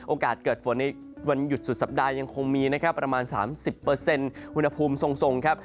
โอกาสเกิดฝนในวันหยุดสุดสัปดาห์ยังคงมีนะครับประมาณ๓๐อุณหภูมิทรงครับ